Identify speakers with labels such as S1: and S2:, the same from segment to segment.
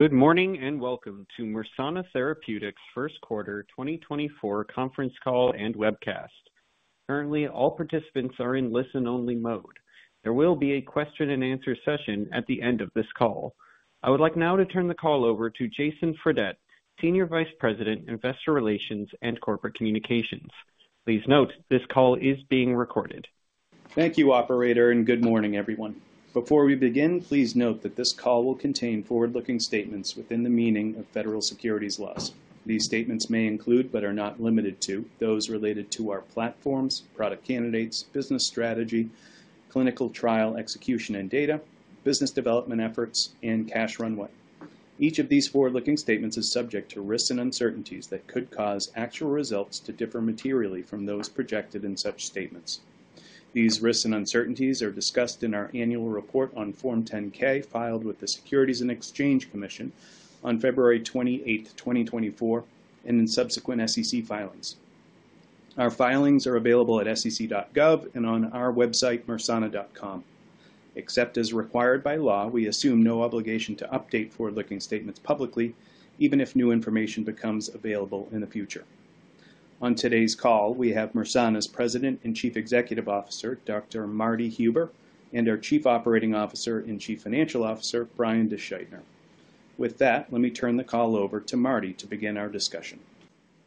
S1: Good morning, and welcome to Mersana Therapeutics' first quarter 2024 conference call and webcast. Currently, all participants are in listen-only mode. There will be a question and answer session at the end of this call. I would like now to turn the call over to Jason Fredette, Senior Vice President, Investor Relations and Corporate Communications. Please note, this call is being recorded.
S2: Thank you, operator, and good morning, everyone. Before we begin, please note that this call will contain forward-looking statements within the meaning of federal securities laws. These statements may include, but are not limited to, those related to our platforms, product candidates, business strategy, clinical trial, execution and data, business development efforts, and cash runway. Each of these forward-looking statements is subject to risks and uncertainties that could cause actual results to differ materially from those projected in such statements. These risks and uncertainties are discussed in our annual report on Form 10-K, filed with the Securities and Exchange Commission on February 28, 2024, and in subsequent SEC filings. Our filings are available at sec.gov and on our website, mersana.com. Except as required by law, we assume no obligation to update forward-looking statements publicly, even if new information becomes available in the future. On today's call, we have Mersana's President and Chief Executive Officer, Dr. Marty Huber, and our Chief Operating Officer and Chief Financial Officer, Brian DeSchuytner. With that, let me turn the call over to Marty to begin our discussion.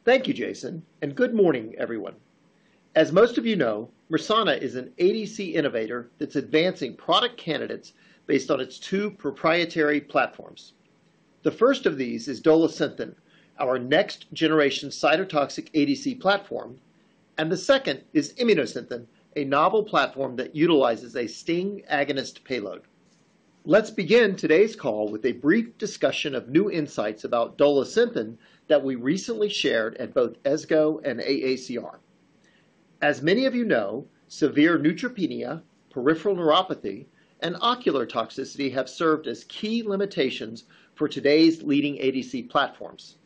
S3: Thank you, Jason, and good morning, everyone. As most of you know, Mersana is an ADC innovator that's advancing product candidates based on its two proprietary platforms. The first of these is Dolasynthen, our next-generation cytotoxic ADC platform, and the second is Immunosynthen, a novel platform that utilizes a STING agonist payload. Let's begin today's call with a brief discussion of new insights about Dolasynthen that we recently shared at both ESGO and AACR. As many of you know, severe neutropenia, peripheral neuropathy, and ocular toxicity have served as key limitations for today's leading ADC platforms.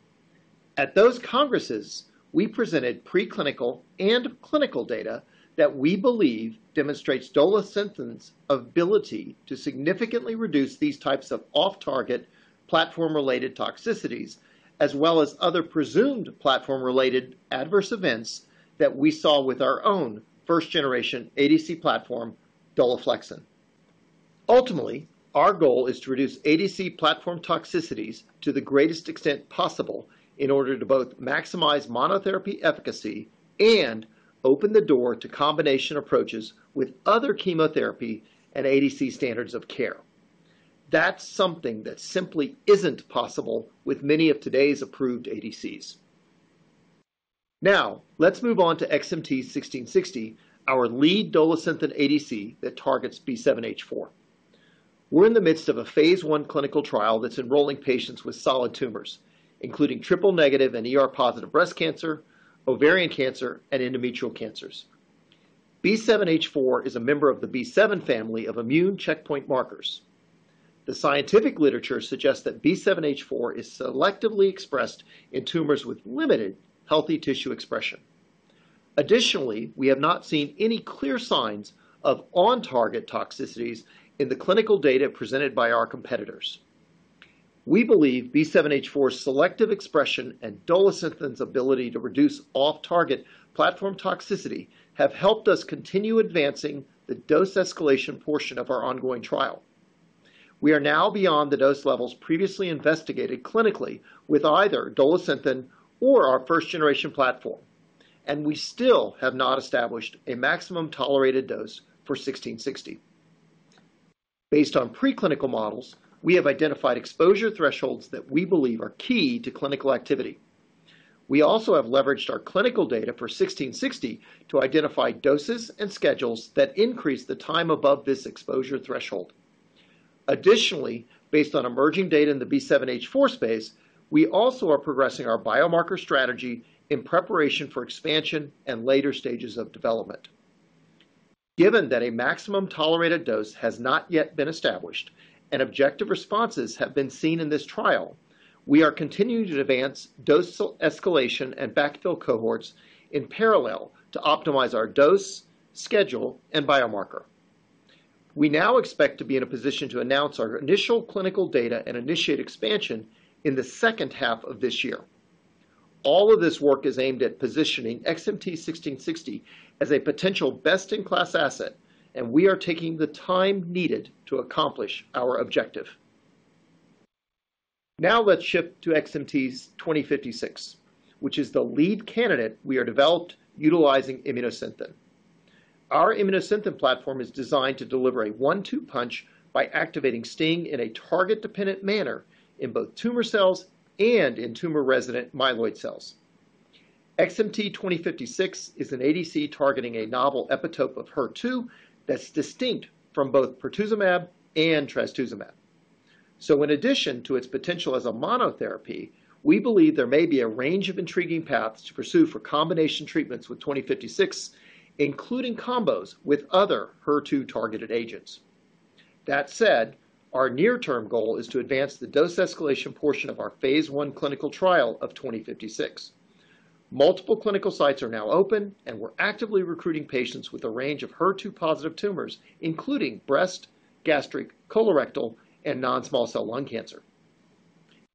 S3: At those congresses, we presented preclinical and clinical data that we believe demonstrates Dolasynthen's ability to significantly reduce these types of off-target platform-related toxicities, as well as other presumed platform-related adverse events that we saw with our own first-generation ADC platform, Dolaflexin. Ultimately, our goal is to reduce ADC platform toxicities to the greatest extent possible in order to both maximize monotherapy efficacy and open the door to combination approaches with other chemotherapy and ADC standards of care. That's something that simply isn't possible with many of today's approved ADCs. Now, let's move on to XMT-1660, our lead Dolasynthen ADC that targets B7-H4. We're in the midst of a phase I clinical trial that's enrolling patients with solid tumors, including triple-negative and ER-positive breast cancer, ovarian cancer, and endometrial cancers. B7-H4 is a member of the B7 family of immune checkpoint markers. The scientific literature suggests that B7-H4 is selectively expressed in tumors with limited healthy tissue expression. Additionally, we have not seen any clear signs of on-target toxicities in the clinical data presented by our competitors. We believe B7-H4's selective expression and Dolasynthen's ability to reduce off-target platform toxicity have helped us continue advancing the dose escalation portion of our ongoing trial. We are now beyond the dose levels previously investigated clinically with either Dolasynthen or our first-generation platform, and we still have not established a maximum tolerated dose for XMT-1660. Based on preclinical models, we have identified exposure thresholds that we believe are key to clinical activity. We also have leveraged our clinical data for XMT-1660 to identify doses and schedules that increase the time above this exposure threshold. Additionally, based on emerging data in the B7-H4 space, we also are progressing our biomarker strategy in preparation for expansion and later stages of development. Given that a maximum tolerated dose has not yet been established and objective responses have been seen in this trial, we are continuing to advance dose escalation and backfill cohorts in parallel to optimize our dose, schedule, and biomarker. We now expect to be in a position to announce our initial clinical data and initiate expansion in the second half of this year. All of this work is aimed at positioning XMT-1660 as a potential best-in-class asset, and we are taking the time needed to accomplish our objective. Now let's shift to XMT-2056, which is the lead candidate we have developed utilizing Immunosynthen. Our Immunosynthen platform is designed to deliver a one-two punch by activating STING in a target-dependent manner in both tumor cells and in tumor-resident myeloid cells. XMT-2056 is an ADC targeting a novel epitope of HER2 that's distinct from both pertuzumab and trastuzumab. So in addition to its potential as a monotherapy, we believe there may be a range of intriguing paths to pursue for combination treatments with 2056, including combos with other HER2-targeted agents. That said, our near-term goal is to advance the dose escalation portion of our phase I clinical trial of 2056. ... Multiple clinical sites are now open, and we're actively recruiting patients with a range of HER2-positive tumors, including breast, gastric, colorectal, and non-small cell lung cancer.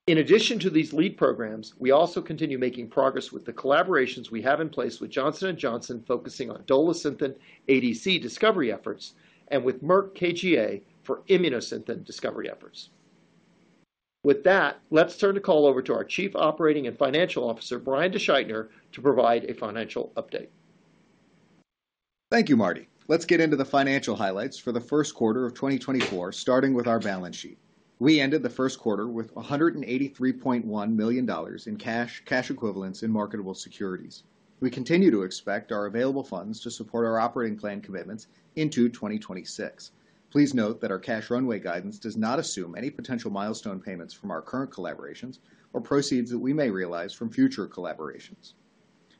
S3: In addition to these lead programs, we also continue making progress with the collaborations we have in place with Johnson & Johnson, focusing on Dolasynthen ADC discovery efforts and with Merck KGaA for Immunosynthen discovery efforts. With that, let's turn the call over to our Chief Operating and Financial Officer, Brian DeSchuytner, to provide a financial update.
S4: Thank you, Marty. Let's get into the financial highlights for the first quarter of 2024, starting with our balance sheet. We ended the first quarter with $183.1 million in cash, cash equivalents, and marketable securities. We continue to expect our available funds to support our operating plan commitments into 2026. Please note that our cash runway guidance does not assume any potential milestone payments from our current collaborations or proceeds that we may realize from future collaborations.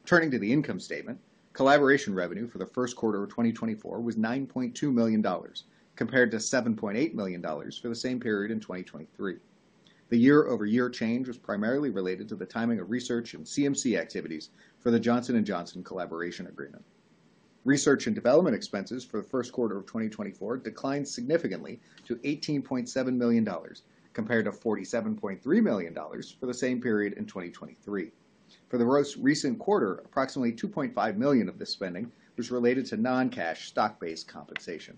S4: Turning to the income statement, collaboration revenue for the first quarter of 2024 was $9.2 million, compared to $7.8 million for the same period in 2023. The year-over-year change was primarily related to the timing of research and CMC activities for the Johnson & Johnson collaboration agreement. Research and development expenses for the first quarter of 2024 declined significantly to $18.7 million, compared to $47.3 million for the same period in 2023. For the most recent quarter, approximately $2.5 million of this spending was related to non-cash stock-based compensation.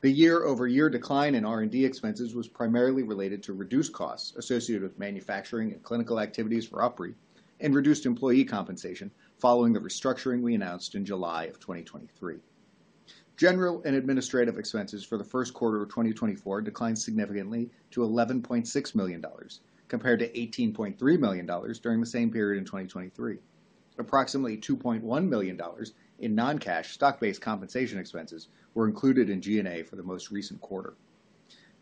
S4: The year-over-year decline in R&D expenses was primarily related to reduced costs associated with manufacturing and clinical activities for UpRi and reduced employee compensation following the restructuring we announced in July of 2023. General and administrative expenses for the first quarter of 2024 declined significantly to $11.6 million, compared to $18.3 million during the same period in 2023. Approximately $2.1 million in non-cash stock-based compensation expenses were included in G&A for the most recent quarter.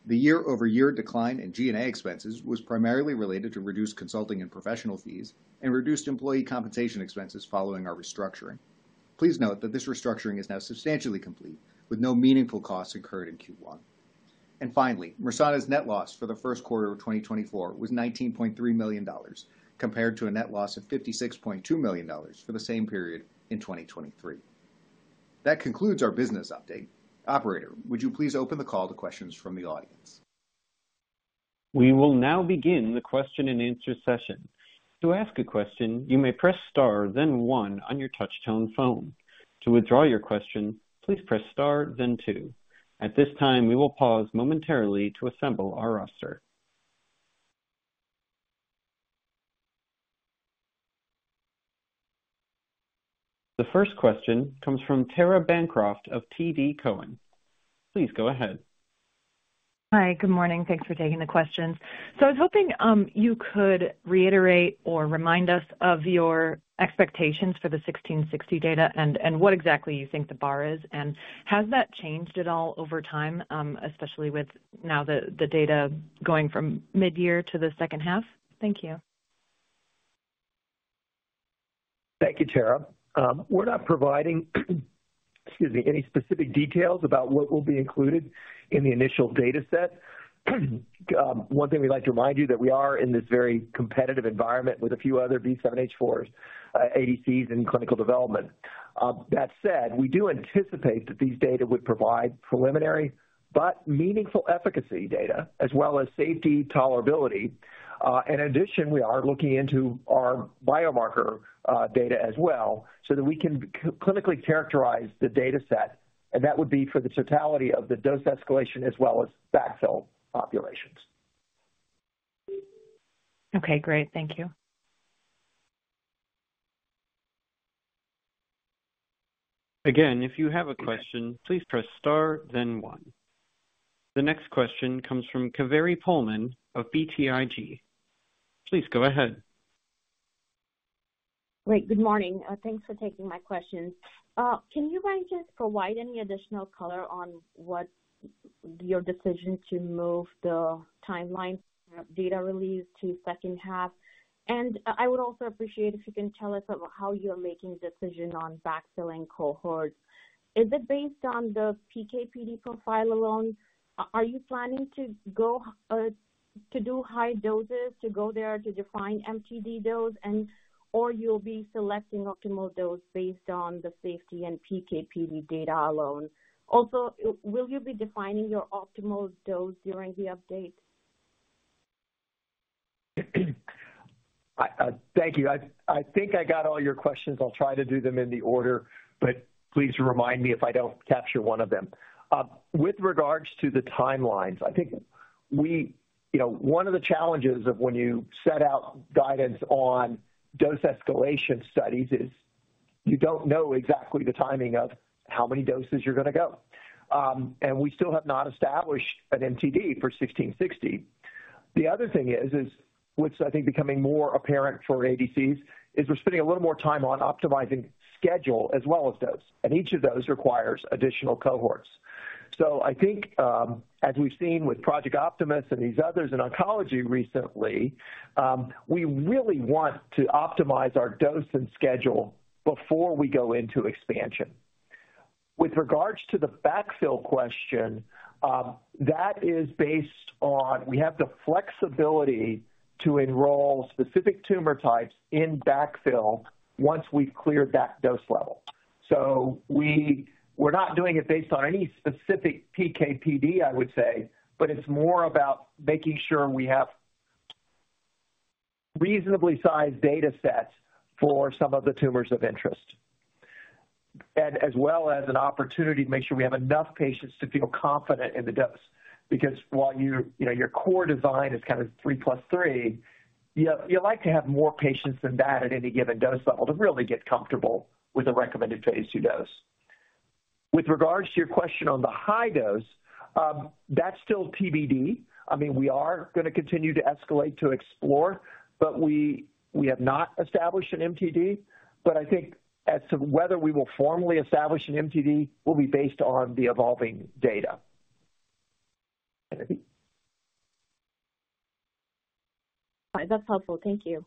S4: The year-over-year decline in G&A expenses was primarily related to reduced consulting and professional fees and reduced employee compensation expenses following our restructuring. Please note that this restructuring is now substantially complete, with no meaningful costs incurred in Q1. Finally, Mersana's net loss for the first quarter of 2024 was $19.3 million, compared to a net loss of $56.2 million for the same period in 2023. That concludes our business update. Operator, would you please open the call to questions from the audience?
S1: We will now begin the question-and-answer session. To ask a question, you may press star, then one on your touchtone phone. To withdraw your question, please press star, then two. At this time, we will pause momentarily to assemble our roster. The first question comes from Tara Bancroft of TD Cowen. Please go ahead.
S5: Hi, good morning. Thanks for taking the questions. So I was hoping you could reiterate or remind us of your expectations for the 1660 data and what exactly you think the bar is, and has that changed at all over time, especially with now the data going from mid-year to the second half? Thank you.
S3: Thank you, Tara. We're not providing, excuse me, any specific details about what will be included in the initial data set. One thing we'd like to remind you, that we are in this very competitive environment with a few other B7-H4 ADCs in clinical development. That said, we do anticipate that these data would provide preliminary but meaningful efficacy data as well as safety tolerability. In addition, we are looking into our biomarker data as well, so that we can clinically characterize the data set, and that would be for the totality of the dose escalation as well as backfill populations.
S5: Okay, great. Thank you.
S1: Again, if you have a question, please press star, then one. The next question comes from Kaveri Pohlman of BTIG. Please go ahead.
S6: Great. Good morning. Thanks for taking my questions. Can you guys just provide any additional color on what your decision to move the timeline data release to second half? And I would also appreciate if you can tell us about how you're making decision on backfilling cohorts. Is it based on the PK/PD profile alone? Are you planning to go to do high doses to go there to define MTD dose and or you'll be selecting optimal dose based on the safety and PK/PD data alone? Also, will you be defining your optimal dose during the update?
S3: I thank you. I think I got all your questions. I'll try to do them in the order, but please remind me if I don't capture one of them. With regards to the timelines, I think we. You know, one of the challenges of when you set out guidance on dose escalation studies is you don't know exactly the timing of how many doses you're going to go. And we still have not established an MTD for 1660. The other thing is what's, I think, becoming more apparent for ADCs, is we're spending a little more time on optimizing schedule as well as dose, and each of those requires additional cohorts. So I think, as we've seen with Project Optimus and these others in oncology recently, we really want to optimize our dose and schedule before we go into expansion. With regards to the backfill question, that is based on, we have the flexibility to enroll specific tumor types in backfill once we've cleared that dose level. So we're not doing it based on any specific PK/PD, I would say, but it's more about making sure we have reasonably sized data sets for some of the tumors of interest. And as well as an opportunity to make sure we have enough patients to feel confident in the dose. Because while you, you know, your core design is kind of 3+3, you like to have more patients than that at any given dose level to really get comfortable with the recommended phase II dose. With regards to your question on the high dose, that's still TBD. I mean, we are going to continue to escalate, to explore, but we, we have not established an MTD, but I think as to whether we will formally establish an MTD, will be based on the evolving data.
S6: That's helpful. Thank you.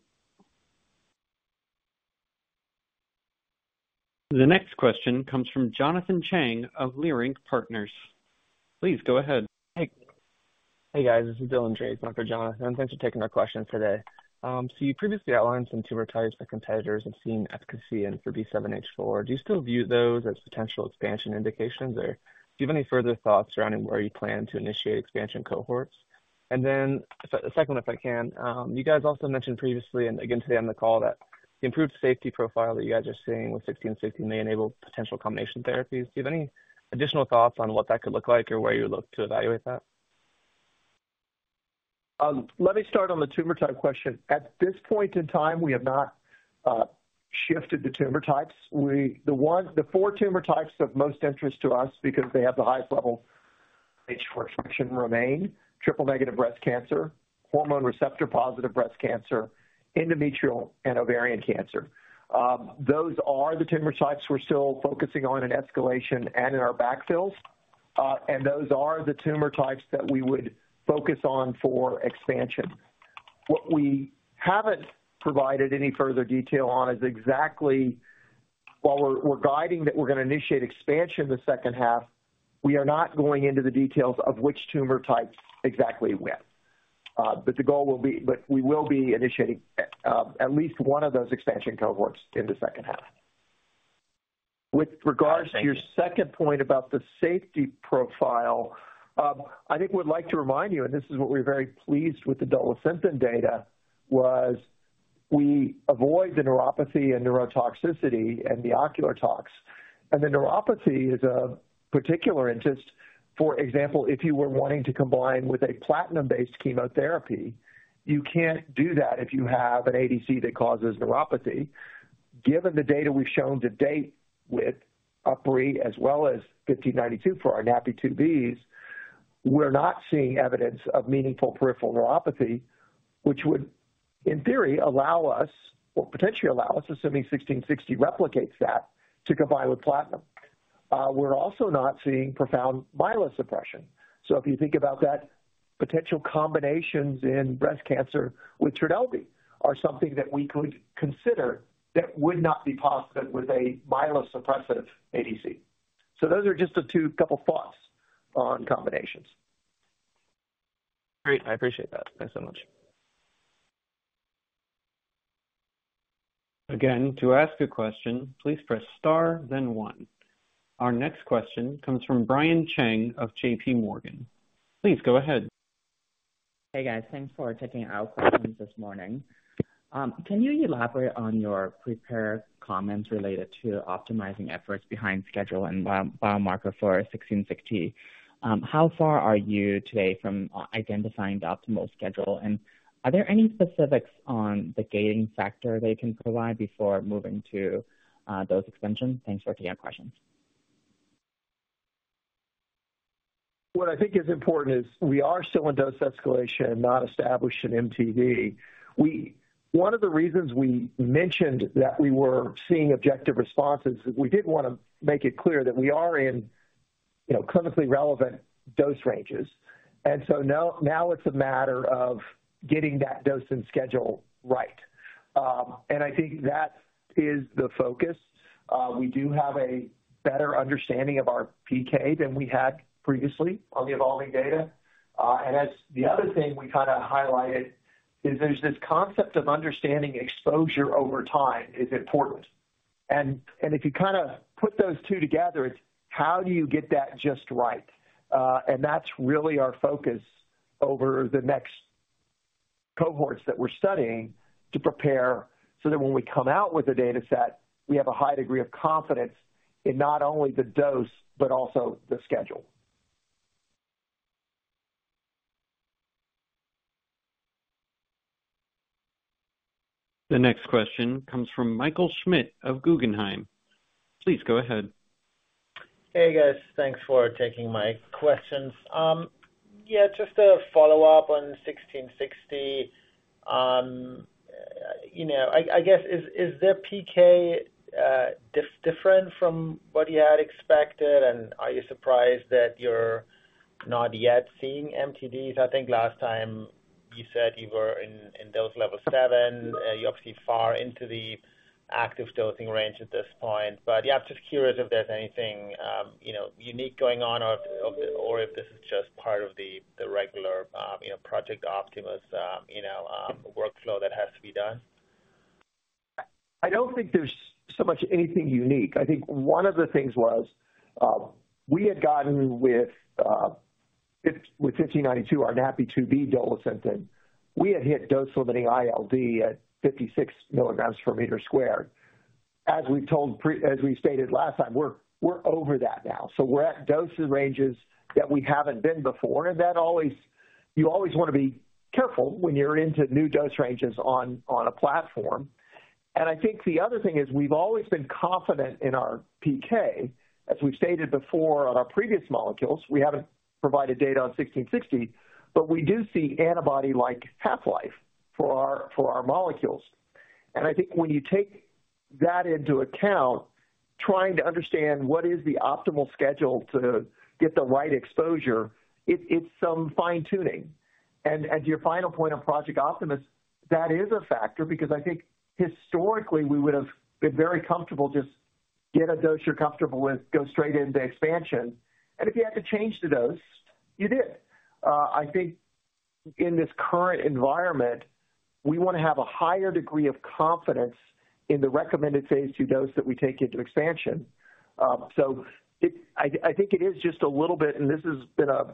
S1: The next question comes from Jonathan Chang of Leerink Partners. Please go ahead.
S7: Hey. Hey, guys, this is Dylan Drakes, not Jonathan. Thanks for taking our questions today. So you previously outlined some tumor types for competitors and seeing efficacy and for B7-H4. Do you still view those as potential expansion indications, or do you have any further thoughts surrounding where you plan to initiate expansion cohorts? And then a second, if I can, you guys also mentioned previously, and again today on the call, that the improved safety profile that you guys are seeing with 1660 may enable potential combination therapies. Do you have any additional thoughts on what that could look like or where you look to evaluate that?
S3: Let me start on the tumor type question. At this point in time, we have not shifted the tumor types. The four tumor types of most interest to us, because they have the highest level B7-H4 function, remain triple-negative breast cancer, hormone receptor-positive breast cancer, endometrial, and ovarian cancer. Those are the tumor types we're still focusing on in escalation and in our backfills, and those are the tumor types that we would focus on for expansion. What we haven't provided any further detail on is exactly while we're guiding that we're going to initiate expansion in the second half, we are not going into the details of which tumor types exactly when. But we will be initiating at least one of those expansion cohorts in the second half. With regards to your second point about the safety profile, I think we'd like to remind you, and this is what we're very pleased with the Dolasynthen data, was we avoid the neuropathy and neurotoxicity and the ocular tox. And the neuropathy is of particular interest. For example, if you were wanting to combine with a platinum-based chemotherapy, you can't do that if you have an ADC that causes neuropathy. Given the data we've shown to date with UpRi, as well as 1592 for our NaPi2bs, we're not seeing evidence of meaningful peripheral neuropathy, which would, in theory, allow us, or potentially allow us, assuming 1660 replicates that, to combine with platinum. We're also not seeing profound myelosuppression. So if you think about that, potential combinations in breast cancer with Trodelvy are something that we could consider that would not be possible with a myelosuppressive ADC. Those are just the two couple thoughts on combinations.
S7: Great, I appreciate that. Thanks so much.
S1: Again, to ask a question, please press star then one. Our next question comes from Brian Cheng of JPMorgan. Please go ahead.
S8: Hey, guys. Thanks for taking our questions this morning. Can you elaborate on your prepared comments related to optimizing efforts behind schedule and biomarker for 1660? How far are you today from identifying the optimal schedule? And are there any specifics on the gating factor that you can provide before moving to dose extension? Thanks for taking our questions.
S3: What I think is important is we are still in dose escalation and not established an MTD. One of the reasons we mentioned that we were seeing objective responses is we did want to make it clear that we are in, you know, clinically relevant dose ranges. And so now, now it's a matter of getting that dose and schedule right. And I think that is the focus. We do have a better understanding of our PK than we had previously on the evolving data. And that's the other thing we kind of highlighted, is there's this concept of understanding exposure over time is important. And, and if you kind of put those two together, it's how do you get that just right? That's really our focus over the next cohorts that we're studying to prepare, so that when we come out with a data set, we have a high degree of confidence in not only the dose, but also the schedule.
S1: The next question comes from Michael Schmidt of Guggenheim. Please go ahead.
S9: Hey, guys. Thanks for taking my questions. Yeah, just a follow-up on 1660. You know, I guess is their PK different from what you had expected? And are you surprised that your...... not yet seeing MTDs. I think last time you said you were in dose level 7, you're obviously far into the active dosing range at this point. But yeah, I'm just curious if there's anything, you know, unique going on or if this is just part of the regular, you know, Project Optimus, you know, workflow that has to be done.
S3: I don't think there's so much anything unique. I think one of the things was, we had gotten with, with 1592, our NaPi2b Dolasynthen, we had hit dose limiting ILD at 56 mg/m². As we've told pre- as we stated last time, we're over that now, so we're at dosing ranges that we haven't been before, and that always- you always want to be careful when you're into new dose ranges on a platform. And I think the other thing is, we've always been confident in our PK. As we've stated before on our previous molecules, we haven't provided data on 1660, but we do see antibody-like half-life for our molecules. And I think when you take that into account, trying to understand what is the optimal schedule to get the right exposure, it's some fine-tuning. To your final point on Project Optimus, that is a factor because I think historically we would've been very comfortable just get a dose you're comfortable with, go straight into expansion, and if you had to change the dose, you did. I think in this current environment, we want to have a higher degree of confidence in the recommended phase II dose that we take into expansion. So it is just a little bit, and this has been a,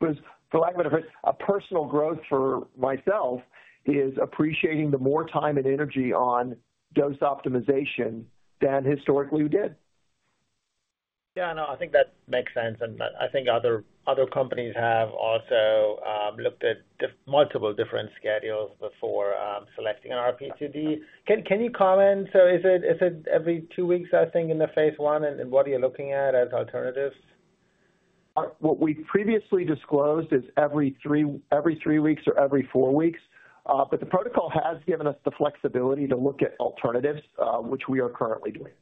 S3: for lack of better, a personal growth for myself, is appreciating the more time and energy on dose optimization than historically we did.
S9: Yeah, no, I think that makes sense, and I think other companies have also looked at multiple different schedules before selecting an RP2D. Can you comment, so is it every two weeks, I think, in the phase I, and what are you looking at as alternatives?
S3: What we previously disclosed is every three, every three weeks or every four weeks, but the protocol has given us the flexibility to look at alternatives, which we are currently doing.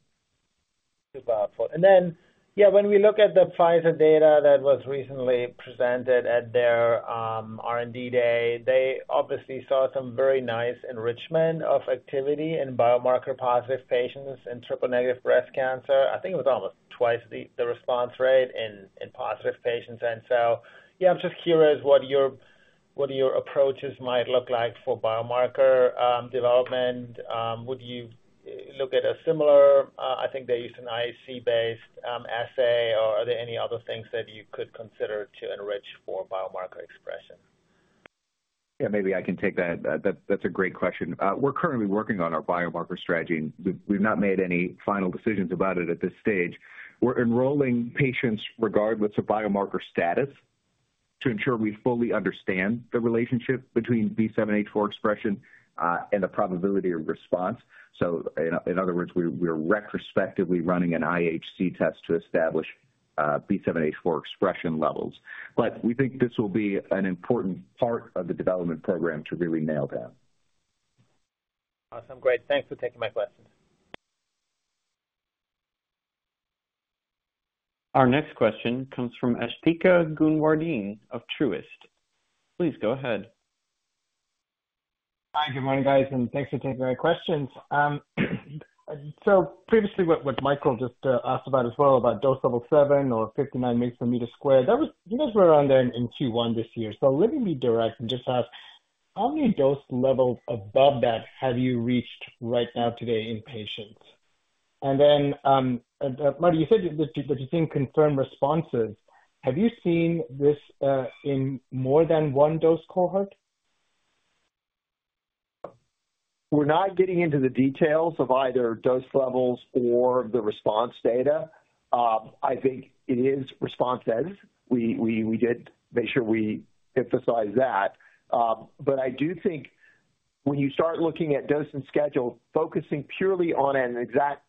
S9: And then, yeah, when we look at the Pfizer data that was recently presented at their R&D day, they obviously saw some very nice enrichment of activity in biomarker positive patients in triple-negative breast cancer. I think it was almost twice the, the response rate in, in positive patients. And so, yeah, I'm just curious what your, what your approaches might look like for biomarker development. Would you look at a similar I think they used an IHC-based assay, or are there any other things that you could consider to enrich for biomarker expression?
S4: Yeah, maybe I can take that. That, that's a great question. We're currently working on our biomarker strategy, and we've, we've not made any final decisions about it at this stage. We're enrolling patients regardless of biomarker status, to ensure we fully understand the relationship between B7-H4 expression, and the probability of response. So in other words, we're, we're retrospectively running an IHC test to establish, B7-H4 expression levels. But we think this will be an important part of the development program to really nail down.
S9: Awesome. Great. Thanks for taking my questions.
S1: Our next question comes from Asthika Goonewardene of Truist. Please go ahead.
S10: Hi, good morning, guys, and thanks for taking my questions. Previously, what Michael just asked about as well, about dose level 7 or 59 mg/m² that was you guys were around there in Q1 this year. Let me be direct and just ask, how many dose levels above that have you reached right now today in patients? And then, Marty, you said that you've seen confirmed responses. Have you seen this in more than one dose cohort?
S3: We're not getting into the details of either dose levels or the response data. I think it is responses. We did make sure we emphasize that. But I do think when you start looking at dose and schedule, focusing purely on an exact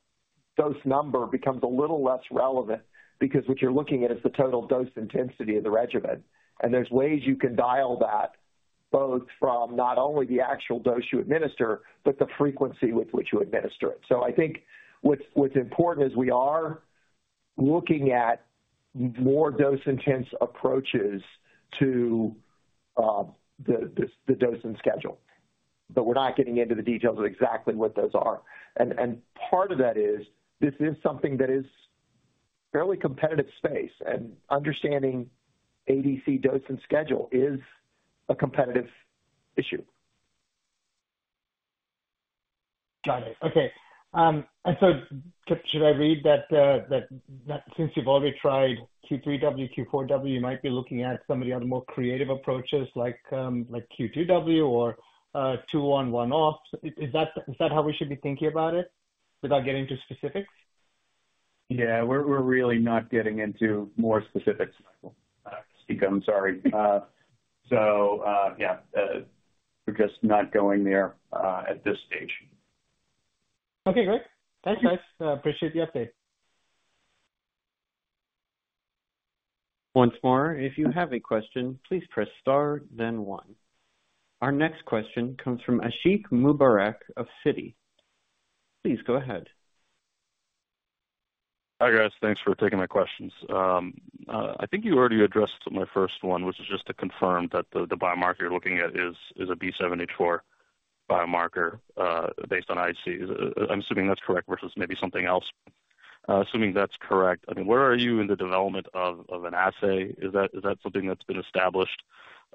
S3: dose number becomes a little less relevant because what you're looking at is the total dose intensity of the regimen, and there's ways you can dial that, both from not only the actual dose you administer, but the frequency with which you administer it. So I think what's important is we are looking at more dose-intense approaches to the dosing schedule, but we're not getting into the details of exactly what those are. And part of that is, this is something that is fairly competitive space, and understanding ADC dose and schedule is a competitive issue.
S10: Got it. Okay. And so should I read that since you've already tried Q3W, Q4W, you might be looking at some of the other more creative approaches like Q2W or two on, one off. Is that how we should be thinking about it, without getting into specifics?
S4: Yeah, we're really not getting into more specifics, Michael. Asthika, I'm sorry. So, yeah, we're just not going there at this stage.
S10: Okay, great. Thanks, guys. I appreciate the update.
S1: Once more, if you have a question, please press star then one. Our next question comes from Ashiq Mubarack of Citi... Please go ahead.
S11: Hi, guys. Thanks for taking my questions. I think you already addressed my first one, which is just to confirm that the biomarker you're looking at is a B7-H4 biomarker based on IHC. I'm assuming that's correct, versus maybe something else. Assuming that's correct, I mean, where are you in the development of an assay? Is that something that's been established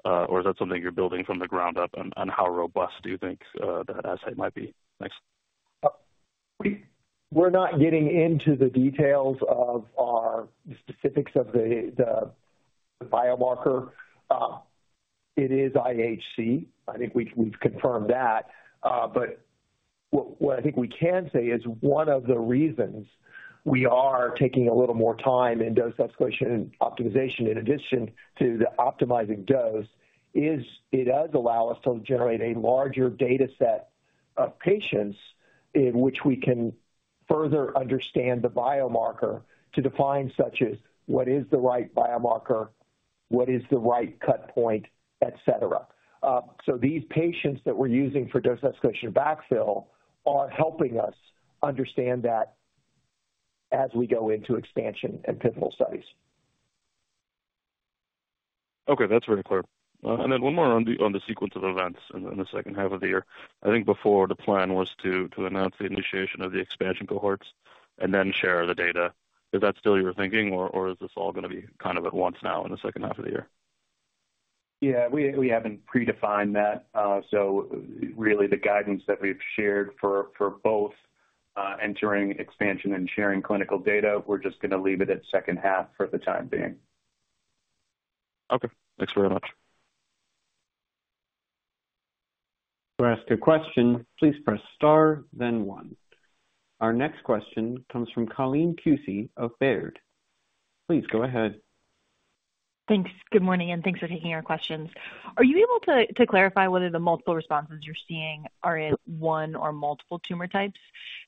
S11: or is that something you're building from the ground up? How robust do you think that assay might be? Thanks.
S3: We're not getting into the details of the specifics of the biomarker. It is IHC. I think we've confirmed that. But what I think we can say is one of the reasons we are taking a little more time in dose escalation and optimization in addition to the optimizing dose is it does allow us to generate a larger data set of patients in which we can further understand the biomarker to define, such as, what is the right biomarker, what is the right cut point, et cetera. So these patients that we're using for dose escalation backfill are helping us understand that as we go into expansion and pivotal studies.
S11: Okay, that's very clear. And then one more on the sequence of events in the second half of the year. I think before, the plan was to announce the initiation of the expansion cohorts and then share the data. Is that still your thinking, or is this all gonna be kind of at once now in the second half of the year?
S4: Yeah, we haven't predefined that. So really, the guidance that we've shared for both entering expansion and sharing clinical data, we're just gonna leave it at second half for the time being.
S11: Okay. Thanks very much.
S1: To ask a question, please press star, then one. Our next question comes from Colleen Kusy of Baird. Please go ahead.
S12: Thanks. Good morning, and thanks for taking our questions. Are you able to, to clarify whether the multiple responses you're seeing are in one or multiple tumor types?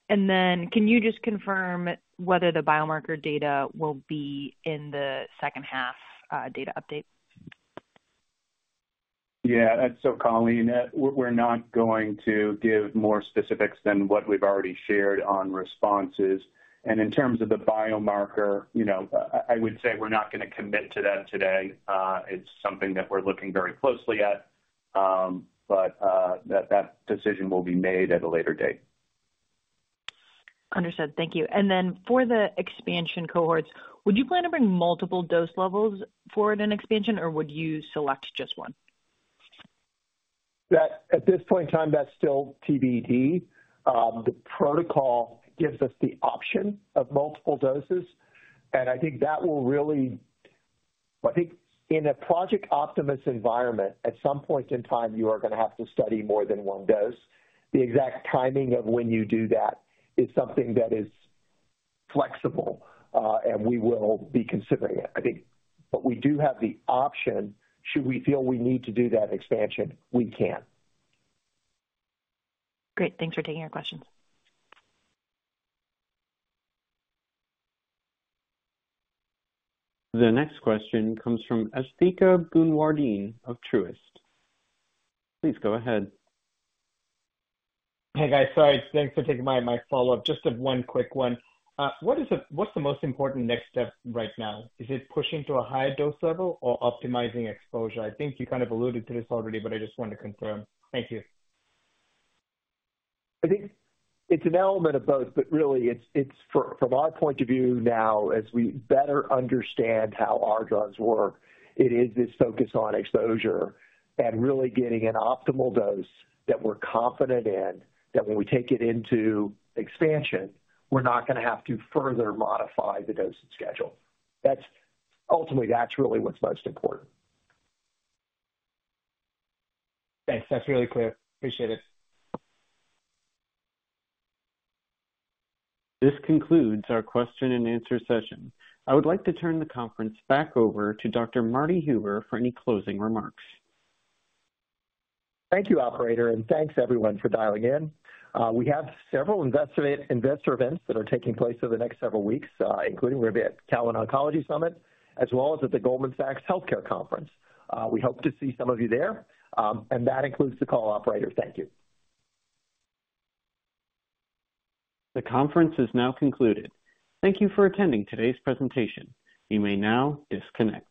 S12: And then can you just confirm whether the biomarker data will be in the second half, data update?
S4: Yeah, and so, Colleen, we're not going to give more specifics than what we've already shared on responses. And in terms of the biomarker, you know, I would say we're not gonna commit to that today. It's something that we're looking very closely at, but that decision will be made at a later date.
S12: Understood. Thank you. And then for the expansion cohorts, would you plan to bring multiple dose levels forward in expansion, or would you select just one?
S3: At this point in time, that's still TBD. The protocol gives us the option of multiple doses, and I think in a Project Optimus environment, at some point in time, you are gonna have to study more than one dose. The exact timing of when you do that is something that is flexible, and we will be considering it, I think. But we do have the option, should we feel we need to do that expansion, we can.
S12: Great. Thanks for taking our questions.
S1: The next question comes from Asthika Goonewardene of Truist. Please go ahead.
S10: Hey, guys. Sorry. Thanks for taking my follow-up. Just one quick one. What’s the most important next step right now? Is it pushing to a higher dose level or optimizing exposure? I think you kind of alluded to this already, but I just wanted to confirm. Thank you.
S3: I think it's an element of both, but really, it's from our point of view now, as we better understand how our drugs work, it is this focus on exposure and really getting an optimal dose that we're confident in, that when we take it into expansion, we're not gonna have to further modify the dosing schedule. That's ultimately really what's most important.
S10: Thanks. That's really clear. Appreciate it.
S1: This concludes our question-and-answer session. I would like to turn the conference back over to Dr. Marty Huber for any closing remarks.
S3: Thank you, operator, and thanks, everyone, for dialing in. We have several investor events that are taking place over the next several weeks, including we're at Cowen Oncology Summit, as well as at the Goldman Sachs Healthcare Conference. We hope to see some of you there, and that concludes the call, operator. Thank you.
S1: The conference is now concluded. Thank you for attending today's presentation. You may now disconnect.